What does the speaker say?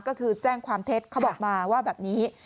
ก็คือแจ้งความเท็จเขาบอกมาว่าแบบนี้